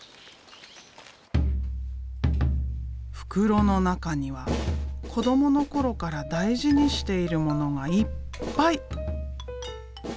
袋の中には子どもの頃から大事にしているものがいっぱい。